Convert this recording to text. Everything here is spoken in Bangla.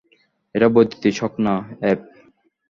এটা বৈদ্যুতিক শক না, অ্যাব।